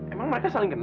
emang mereka saling kenal